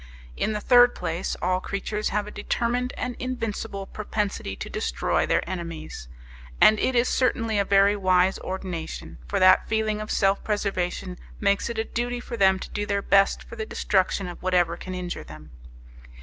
In the third place, all creatures have a determined and invincible propensity to destroy their enemies; and it is certainly a very wise ordination, for that feeling of self preservation makes it a duty for them to do their best for the destruction of whatever can injure them.